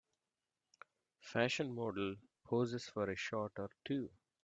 Fashion model posses for a shot or two.